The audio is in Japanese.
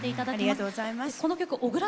ありがとうございます。